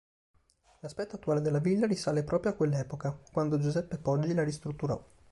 L'aspetto attuale della villa risale proprio a quell'epoca, quando Giuseppe Poggi la ristrutturò.